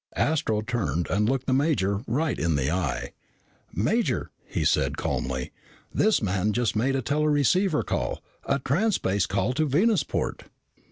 Astro turned and looked the major right in the eye. "Major," he said calmly, "this man just made a teleceiver call a transspace call to Venusport."